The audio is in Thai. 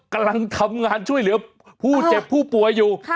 กำลังทำงานช่วยเหลือผู้เจ็บผู้ป่วยอยู่